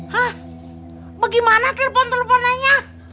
hah bagaimana telepon teleponannya